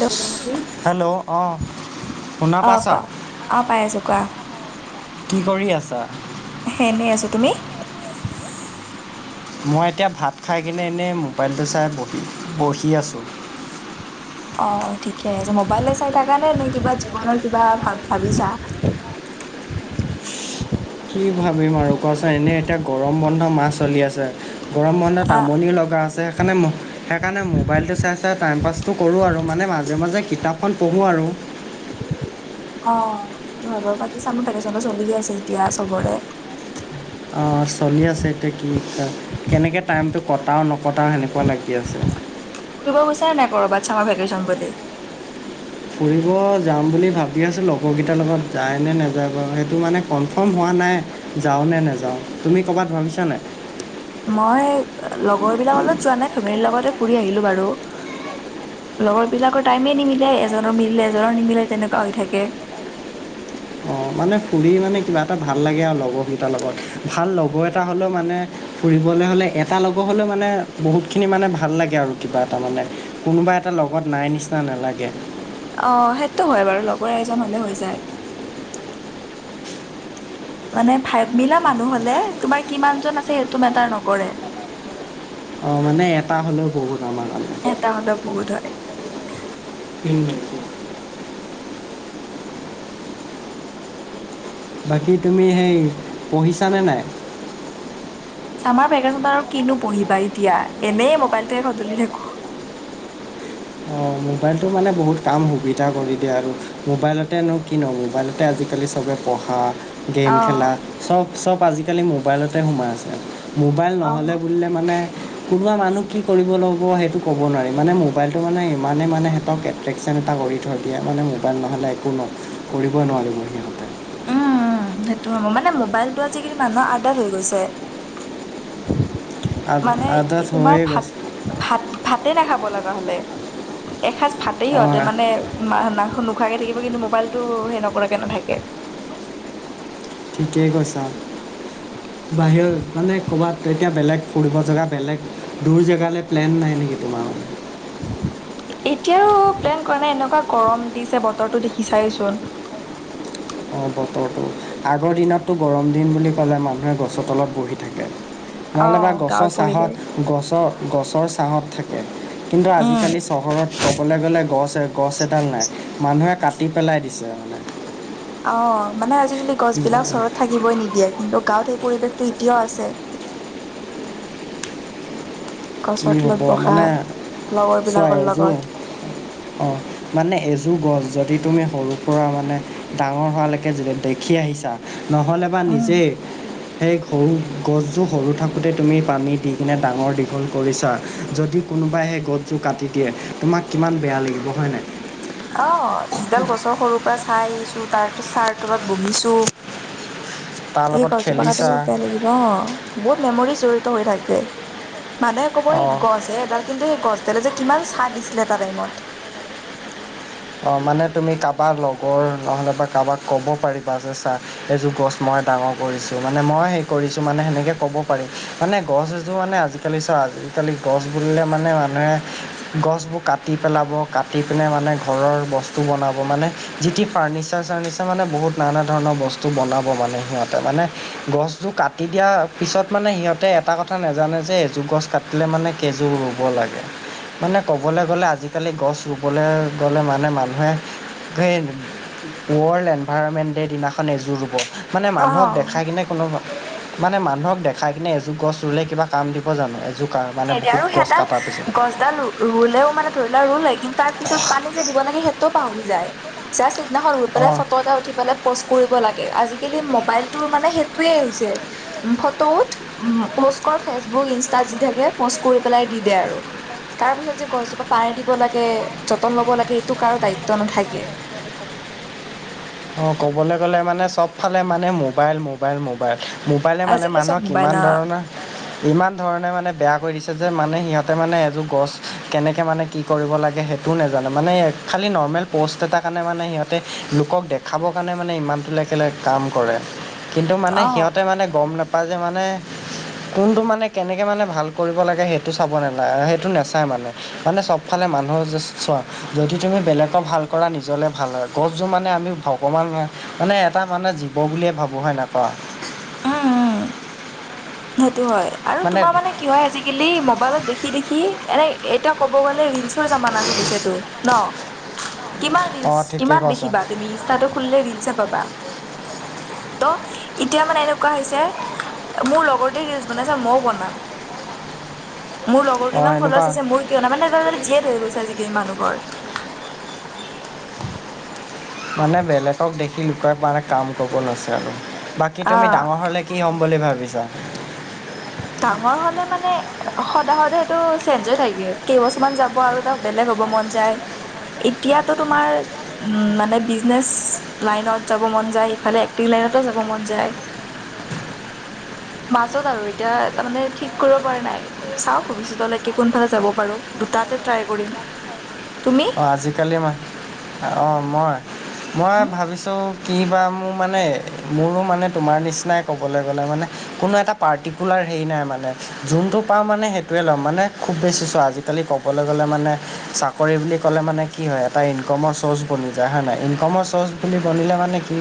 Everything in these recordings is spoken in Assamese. হেল্ল' হেল্ল', অ, শুনা অ পাইছা, কোৱা অ পাই আছো কোৱা কি কৰি আছা? এ এনেই আছো। তুমি? মই এতিয়া ভাত খাই কিনে এনেই মোবাইলটো চাই বহি বহি আছোঁ। অ অ ঠিকে আছে মোবাইলে চাই থাকা নে নে কিবা জীৱনৰ কিবা ভ ভাবিছা? কি ভাবিম আৰু কোৱাচোন এনেই এতিয়া গৰম বন্ধ মাহ চলি আছে। গৰম বন্ধত আহ আমনিও লগা আছে। সেইকাৰণে ম সেইকাৰণে মোবাইলটো চাই-চাই টাইম পাছটো কৰো আৰু মানে মাজে-মাজে কিতাপখন পঢ়ো আৰু। অ, সেইটো হয় বাৰু বাকী চামাৰ ভেকেশচনো চলি আছে এতিয়া চবৰে। অ, চলি আছে এতিয়া কি কেনেকৈ টাইমটো কটাও নকটাও সেনেকুৱা লাগি আছে। ফুৰিব গৈছা নাই কৰ'বাত? চামাৰ ভেকেশচন বুলি। ফুৰিব যাম বুলি ভাবি আছোঁ লগৰকেইটাৰ লগত যায় নে নাযায় বাৰু সেইটো মানে কনফাৰ্ম হোৱা নাই। যাওঁ নে নেযাওঁ তুমি ক'ৰবাত ভাবিছা নাই? মই লগৰবিলাক লগত যোৱা নাই ফেমিলিৰ লগতে ফুৰি আহিলো বাৰু। লগৰ বিলাকৰ টাইমে নিমিলে এজনৰ মিলিলে এজনৰ নিমিলে তেনেকুৱা হৈ থাকে। অঁ মানে ফুৰি মানে কিবা এটা ভাল লাগে আৰু লগৰকেইটাৰ লগত ভাল লগৰ এটা হ'লেও মানে। ফুৰিবলে হলে এটা লগৰ হলে মানে বহুত খিনি মানে ভাল লাগে আৰু কিবা এটা মানে কোনোবা এটা। ত লগত নাই নিচিনা নালাগে। অ সেইটো হয় বাৰু লগৰ এজন হলে হৈ যায়। মানে ভাইভ মিলা মানুহ হলে তোমাৰ কিমান জন আছে সেইটো মেটাৰ নকৰে। অ মানে এটা হ'লেও বহুত আমাৰ কাৰণে। এটা হলেও বহুত হয়। উম। বাকী তুমি সেই পঢ়িছানে নাই? আমাৰ ভেকেঞ্চত আৰু কিনো পঢ়িবা এতিয়া এনেই মোবাইলটোৱে সদলি থাকো। অঁ মোবাইলটো মানে বহুত কাম সুবিধা কৰি দিয়ে আৰু মোবাইলতেনো কি ন মোবাইলতে আজিকালি চবে। পঢ়া। গেম অ', খেলা, চব চব আজিকালি মোবাইলতে সোমাই আছে মোবাইল অ', উম, নহ'লে বুলিলে। মানে কোনোবা মানুহ কি কৰিব ল'ব সেইটো ক'ব নোৱাৰি মানে মোবাইলটো মানে মানে মানে সিহঁতক এট্ৰেকশ্যন এটা কৰি থৈ দিয়ে মানে মোবাইল নহ'লে একো ন কৰিবই নোৱাৰিব সিহঁতে। উম সেইটো হ মানে মোবাইলটো আজিকালি মানুহৰ আডত হৈ গৈছে। আদ- মানে আদত এই তোমাৰ হৈয়ে ভাত। গৈছে ভাত ভাতেই নাখাব লগা হ'লে এসাঁজ ভাতেই সিহঁতে অঁ মানে মাংস নোখোৱাকে থাকিব কিন্তু মোবাইলটো সেৰি নকৰাকে নাথাকে। ঠিকেই কৈছা। [unintelligible] বাহিৰত মানে ক'ৰবাত এতিয়া বেলেগ ফুৰিব জেগা বেলেগ দূৰ জেগালৈ প্লেন নাই নেকি তোমাৰ। এতিয়াও প্লেন কৰা নাই এনেকুৱা গৰম দিছে বতৰটো দেখিচাই চোন। অ বতৰটো আগৰ দিনততো গৰম দিন বুলি ক'লে মানুহে গছৰ তলত বহি থাকে। নহ'লে অ', বা গাঁৱৰ গছৰ পৰিৱেশ চাহত গছৰ গছৰ ছাঁহত থাকে কিন্তু উম। আজিকালি চহৰত ক'বলৈ গ'লে গছ গছ এডাল নাই মানুহে কাটি পেলাই দিছে মানে। অ মানে আজিকালি গছবিলাক চহৰত থাকিবই নিদিয়ে কিন্তু গাঁৱত সেই পৰিৱেশটো এতিয়াও আছে। কি গছৰ হ'ব তলত বহা মানে চোৱা লগৰবিলাকৰ এযোৰ লগত অঁ মানে এযোৰ গছ যদি তুমি সৰু পৰা মানে ডাঙৰ হোৱালৈকে দেখি আহিছা। নহ'লে বা উম, নিজেই সেই সৰু গছবোৰ সৰু থাকোঁতে তুমি পানী দি কিনে ডাঙৰ দীঘল। কৰিছা যদি কোনোবাই সেই গছযোৰ কাটি দিয়ে তোমাক কিমান বেয়া লাগিব হয়নে। অ যিডাল গছৰ সৰুৰ পৰা চাই আহিছো তাৰ ছাৰ তলত বহিছো। তাৰ এই লগত গছ জোপা খেলিছা কাটিলোঁ বেয়া লাগিলে। অ বহুত মেমৰি জড়িত হৈ থাকে মানুহে কব এই অঁ গছ। এডাল কিন্তু সেই গছডালে যে কিমান ছাহ দিছিলে এটা টাইমত। অ, মানে তুমি কাৰোবাৰ লগৰ নহ'লে বা কাৰোবাক ক'ব পাৰিবা যে চা এইযোৰ গছ মই ডাঙৰ কৰিছো মানে মই সেই কৰিছো মানে সেনেকে ক'ব পাৰি। মানে গছ এজোৰ মানে আজি আজিকালি চা আজিকালি গছ বুলিলে মানে মানুহে গছবোৰ কাটি পেলাব। কাটি পেলাই পিনে মানে ঘৰৰ বস্তু বনাব, মানে যিটি ফাৰ্ণনিচাৰ-চাৰ্নিচাৰ মানে বহুত নানা ধৰণৰ বস্তু। মনাব মানে সিহঁতে মানে গছ টো কাটি দিয়া পিছত মানে সিহঁতে। এটা কথা নাজানে যে এজোৰ গছ কাটিলে মানে কেইযোৰ ৰুব লাগে। মানে ক'বলৈ গ'লে আজিকালি গছ ৰুবলৈ। গ'লে মানে মানুহে সেই। ৱৰ্ল্ড এনভাইৰণমেণ্ট ডে' দিনাখন এযোৰ ৰুব মানে মানুহক অ দেখাই কিনে কোনো মানে মানুহক দেখাই কিনে এজোৰ গছ ৰুলে কিবা কাম দিব জানো। এযোৰ মানে বহুত গছ কটাৰ পিছত এ ৰুলেও মানে ধৰি লোৱা ৰুলে, কিন্তু তাৰ পিছত পানী যে দিব লাগে সেইটো পাহৰি যায়। জাষ্ট সিদিনাখন ৰৈ পেলাই, অঁ ফটো এটা উঠি পেলাই পোষ্ট কৰিব লাগে। আজিকালি মোবাইলটোৰ মানে সেইটোয়ে হৈছে। ফটোত উম, পষ্ট কৰি ফেচবুক, ইনষ্টাট যি থাকে পষ্ট কৰি পেলাই দি দে আৰু। তাৰ পিছত যে গছজোপা পাৰ দিব লাগে, যতন লব লাগে এইটো কাৰো দায়িত্ব নাথাকে। অ, ক'বলৈ গ'লে মানে চবফালে মানে মোবাইল মোবাইল-মোবাইল-মোবাইলে মানে আজিকালি চব মানুহক মোবাইল কিমান ধৰণৰ [inaudible] ইমান ধৰণে মানে বেয়া কৰি দিছে যে মানে সিহতে মানে এযোৰ গছ কেনেকে মানে কি কৰিব লাগে সেইটো নেজানে। মানে খালি নৰ্মেল পষ্ট এটা কাৰণে মানে সিহতে লোকক দেখাবৰ কাৰণে মানে ইমান বিলাক মানে কাম কৰে। কিন্তু মানে অ সিহতে মানে গম নাপায় যে মানে কোনটো মানে কেনেকে মানে ভাল কৰিব লাগে সেইটো চাব ন সেইটো নেচায় মানে। মানে চব ফালে মানুহ চোৱা যদি তুমি বেলেগক ভাল কৰা নিজলে ভাল হয়। গছজোপাৰ মানে আমি অকণমান মানে এটা মানুহে জীৱ বুলিয়ে ভাবো হয় কোৱা। উম-উম সেইটো হয়। আৰু তোমাৰ মানে কি হয় আজিকালি মোবাইলত দেখি-দেখি এনেই এতিয়া ক'ব গ'লে ৰিলচৰ জামানা চলিছেটো ন। কিমান ৰিলচ অঁ ঠিকে কিমান কৈছা দেখিবা তুমি ইনষ্টাটো খুলিলে ৰিলচ পাবা। ত' এতিয়া মানে এনেকুৱা হৈছে মোৰ লগৰ টোয়ে ৰিলচ বনাইছে মইও বনাম। মোৰ লগৰটো অঁ ইমান এনেকুৱা ফ্লৱাৰচ হৈছে কিয় মানে এতিয়া ধৰা জেদ হৈ গৈছে আজিকালি মানুহৰ। মানে বেলেগক দেখি লুকুৱাই পৰানে কাম কৰিব লৈছে আৰু। বাকী অ তুমি ডাঙৰ হ'লে কি হ'ম বুলি ভাবিছা? ডাঙৰ হ'লে মানে সদায় - সদায় সেইটো চেঞ্জ হৈ থাকে। কেইবছৰমান যাব আৰু তাৰ পিছত বেলেগ হ'ব মন যায়। এতিয়াতো তোমাৰ উম, মানে বিজনেচ লাইনত যাব মন যায়, ইফালে এক্টিং লাইনটো যাব মন যায়। মাজত আৰু এতিয়া তাৰমানে ঠিক কৰিব পৰা নাই। চাও ভৱিষ্যতলৈকে কোনফালে যাব পাৰো দুটাতে ট্ৰাই কৰিম। তুমি? অঁ আজিকালি মানে অ, মই মই উম ভাবিছো কি'বা মোৰ মানে মোৰো মানে তোমাৰ নিচিনাই ক'বলৈ গ'লে মানে কোনো এটা পাৰ্টিকুলাৰ হেৰি নাই মানে যোনটো পাও মানে সেইটোৱে ল'ম মানে। খুব বেছি চোৱা আজি কালি ক'বলৈ গ'লে মানে চাকৰি বুলি ক'লে মানে কি হয় এটা ইনকমৰ চ'ৰ্চ বনি যায় হয় নাই। ইনকমৰ চ'ৰ্চ বুলি বনিলে মানে কি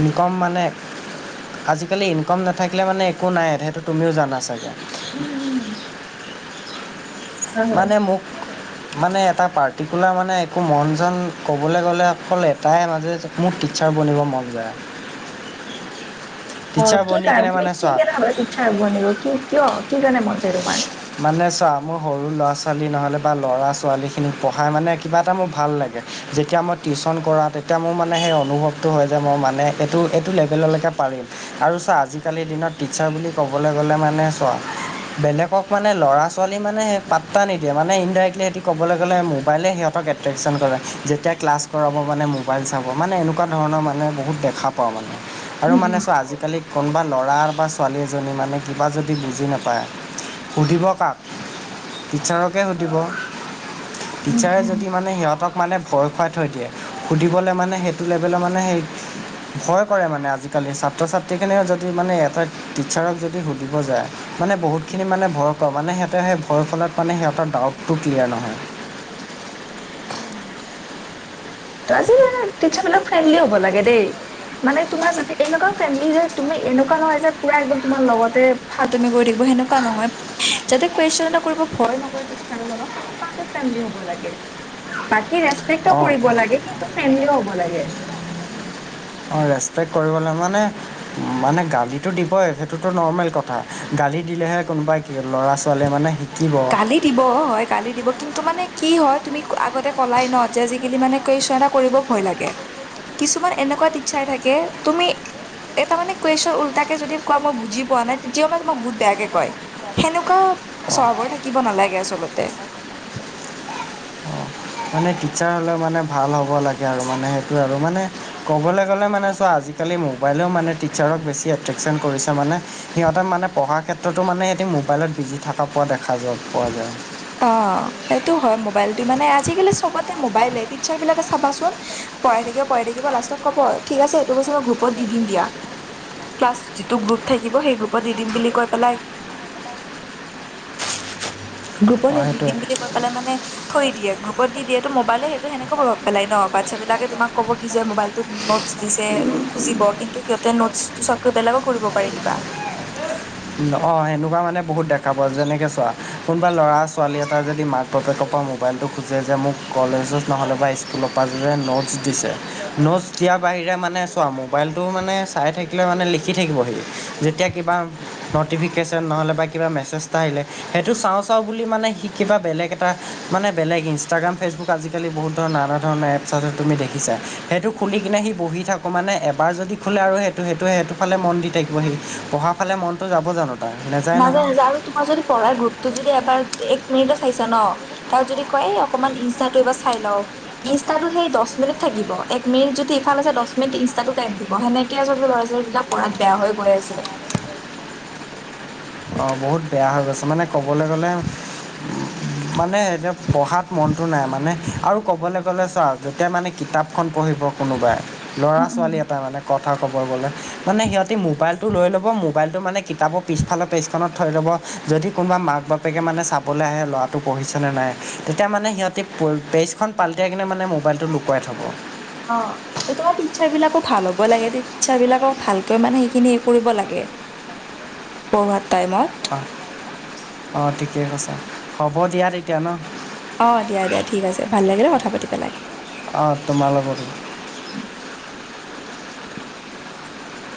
ইনকম মানে আজিকালি ইনকম নাথাকিলে মানে একো নাই সেইটো তুমিও জানা চাগে। উম - উম। হয় মানে মোক [inaudible] মানে এটা পাৰ্টিকুলাৰ মানে একো মন-চন কবলৈ গ'লে অকল এটাই মাজে মোৰ টিচাৰ বনিব মন যায় অ টিচাৰ কি বনি কাৰণ কিনে তুমি মানে কি চোৱা কাৰণ ইচ্ছা বনিব কি কিয় কি কাৰণে মন যায় তোমাৰ? মানে চা, মোৰ সৰু ল'ৰা-ছোৱালী নহ'লে বা ল'ৰা ছোৱালীখিনিক পঢ়াই মানে কিবা এটা মোৰ ভাল লাগে যেতিয়া মই টিউশচন কৰাও তেতিয়া মোৰ মানে সেই অনুভৱটো হয় যে মই মানে এইটো-এইটো লেভেললৈকে পাৰিম। আৰু চোৱা আজিকালিৰ দিনত ৰ্টিচাৰ বুলি ক'বলৈ গ'লে মানে চোৱা বেলেগ হওক মানে ল'ৰা-ছোৱালী মানে পাতা নিদিয়ে মানে ইন্দাৰিকলি ক'বলৈ গ'লে মোবাইলে সিহতৰ একট্ৰেছন কৰে। যেতিয়া ক্লাছ কৰা মানে মোবাইল চাব, মানে এনেকুৱা ধৰণৰ মানে বহুত দেখা পাও মানে আৰু উম মানে উম চোৱা আজিকালি কোনোবা ল'ৰা বা ছোৱালী এজনী মানে কিবা যদি বুজি নাপায়- সুধিব কাক টিচাৰকে সুধিব। উম টিচাৰে উম যদি মানে সিহঁতক- মানে ভয় খুৱাই থৈ দিয়ে, সুধিবলৈ মানে সেইটো লেভেলৰ মানে সেই- ভয় কৰে মানে আজিকালি ছাত্ৰ ছাত্ৰীখিনিও যদি মানে এটা টিচাৰক যদি সুধিব যায় মানে বহুতখিনি মানে ভয় কৰে, মানে সিহঁতে সেই ভয়ৰ ফলত মান সিহঁতৰ ডাউটটো ক্লিয়াৰ নহয় ত আজিকালি টিচাৰবিলাক ফ্ৰেণ্ডলি হব লাগে দেই মানে তোমাৰ যাতে এনেকুৱা ফ্ৰেণ্ডলি যে তুমি এনেকুৱা নহয় যে পুৰা একদম তোমাৰ লগতে ফাল্টুমি কৰি থাকিব সেনেকুৱা নহয়, যাতে কুৱেশন এটা কৰিব ভয় নকৰে টিচাৰজনক সেনেকুৱাকে ফ্ৰেণ্ডলি হব লাগে, বাকী ৰেচপেক্টও অঁ কৰিব লাগে কিন্তু ফ্ৰেণ্ডলিও হব লাগে অঁ ৰেচপেক্ট কৰিবলৈ মানে- মানে গালিটো দিবই সেইটোতো নৰ্মেল কথা গালি দিলেহে কোনোবাই কি ল'ৰা -ছোৱালীয়ে মানে শিকিব গালি দিব অ হয় গালি দিব কিন্তু মানে কি হয় তুমি আগতে কলাই ন যে আজিকালি মানে কুৱেইছন এটা কৰিব ভয় লাগে, কিছুমান এনেকুৱা টিচাৰ থাকে তুমি এটা মানে কুৱেশ্যন উল্টাকে যদি কোৱা মই বুজি পোৱা নাই তেতিয়া মানে তোমাক বহুত বেয়াকে কয় সেনেকুৱা অঁ স্বভাৱৰ থাকিব নালাগে আচলতে। অ', মানে টিচাৰ হ'লে মানে ভাল হ'ব লাগে আৰু মানে সেইটো আৰু মানে ক'বলৈ গ'লে মানে চোৱা আজি আজিকালি মোবাইলেও মানে টিচাৰক বেছি এট্ৰেকশচন কৰি মানে সিহতে মানে পঢ়াৰ ক্ষেত্ৰতো মানে সিহঁতি মোবাইলত বিজি থকা পোৱা দেখা পোৱা যায়। অ সেইটো হয় মোবাইলটো মানে আজিকালি চবতে মোবাইলে টিচাৰ বিলাকে চাবাচোন পঢ়াই থাকিব পঢ়াই থাকিব লাষ্টত ক'ব ঠিক আছে এইটো বস্তু মই গ্ৰুপত দি দিম দিয়া ক্লাছ যিটো গ্ৰুপ থাকিব সেই গ্ৰুপত দি দিম বুলি কৈ পেলাই গ্ৰুপৰ অ', সেই দি সেইটোৱে দিম বুলি কৈ পেলাই মানে থৈ দিয়ে গ্ৰুপত দি দিয়ে। ত মবাইলে সেইটো সেনেকে প্ৰভাৱ পাই ন? বাচ্ছা বিলাকে তোমাক ক'ব কি যে মোবাইল নটছ দিছে খুজিব কিন্তু সিহঁতে নোটছটো পিচত গৈ বেলেগো কৰিব পাৰে কিবা অঁ সেনেকুৱা মানে বহুত দেখা পাৱা যায় যেনেকে চোৱা কোনোবা ল'ৰা- ছোৱালী এটা যদি মাক বাপেকৰ পৰা মোবাইলটো খোজে যে মোক কলেজত নহ'লে বা স্কুলৰ পা যে নটছ দিছে, নোটছ দিয়াৰ বাহিৰে মানে চোৱা মোবাইলটো মানে চাই থাকি লে মানে লিখি থাকিব সি, যেতিয়া কিবা নটিফিকেশ্যন নহ'লে বা কিবা মেছেজ এটা আহিলে সেইটো চাওঁ চাওঁ বুলি মানে সি কিবা বেলেগ এটা এ মানে বেলেগ ইনষ্টাগ্ৰাম ফেচবুক আজিকালি বহুত ধৰণৰ নানা ধৰণৰ এপছ আছে তুমি দেখিছা সেইটো খুলি কিনে সি বহি থাকঁ মানে এবাৰ যদি খোলে আৰু সেইটো -সেইটো -সেইটো ফালে মন দি থাকিব সি, পঢ়া ফালে মনটো যাব জানো? নাযান নাযায় আৰু তোমাৰ যদি পঢ়াৰ গ্ৰুপটো যদি এবাৰ, এক মিনিটে চাইছা ন তাক যদি কয় এই অকমান ইনষ্টাটো এইবাৰ চাই লও ইনষ্টাটো সেই দহ মিনিট থাকিব, এক মিনিট যদি ইফাল আছে দহ মিনিট ইনষ্টটো তে দিব, সেনেকে আচলতে ল'ৰা ছোৱালীবিলাক পঢ়াত বেয়া হৈ গৈ আছে অ বহুত বেয়া হৈ গৈছে মানে ক'বলৈ গ'লে মানে এতিয়া পঢ়াত মনটো নাই মানে আৰু কবলে গলে চা, যেতিয়া মানে কিতাপখন পঢ়িব কোনোবাই উম ল'ৰা- উম ছোৱালী এটা মানে ক কথা কব গলে, মানে সিহঁতী মোবাইলটো লৈ লব মোবাইলটো মানে কিতাপৰ পিছ ফালে পেজখনত থৈ লব যদি কোনোবা মাক বাপেকে মানে চাবলৈ আহে ল'ৰাটো পঢ়িছেনে নাই, তেতিয়া মানে সিহঁতি গতি পেজখন পালটিয়াই কিনে মানে মোবাইলটো লুকুৱাই থ'ব। অ', সেইটো টিচাৰ বিলাকো ভাল হব লাগে টিচাৰ বিলাকক ভালকৈ মানে সেইখিনি কৰিব লাগে। পঢ়োৱাৰ টাইমত। অ, অঁ ঠিকে কৈছা, হ'ব দিয়া তেতিয়া ন? অ দিয়া- দিয়া ঠিক আছে, ভাল লাগিলে কথা পাতি পেলাই অঁ তোমাৰ লগটো অ দে